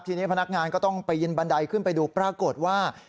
ทีนี้พนักงานก็ต้องไปยินบันไดขึ้นไปดูปรากฏว่า